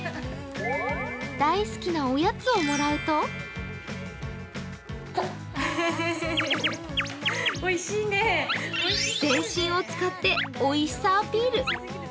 大好きなおやつをもらうと全身を使っておいしさアピール。